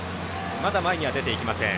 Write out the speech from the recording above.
まだ前には出て行きません。